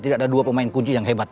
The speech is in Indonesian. tidak ada dua pemain kunci yang hebat